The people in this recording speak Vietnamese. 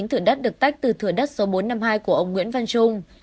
hai mươi chín thử đất được tách từ thử đất số bốn trăm năm mươi hai của ông nguyễn văn trung